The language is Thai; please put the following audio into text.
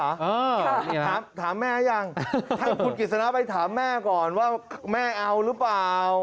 อ๋อนี่นะครับถามแม่ยังถ้าคุณกฤษณะไปถามแม่ก่อนว่าแม่เอาหรือเปล่า